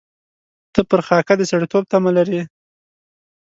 ته پر خاکه د سړېتوب تمه لرې.